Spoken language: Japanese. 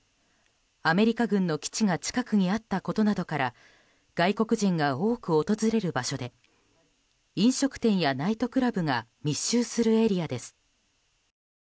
アメリカ軍の基地が近くにあったことなどから外国人が多く訪れる場所で飲食店やナイトクラブが密集するエリアです。